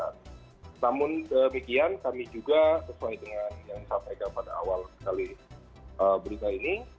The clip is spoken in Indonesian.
namun demikian kami juga sesuai dengan yang disampaikan pada awal sekali berita ini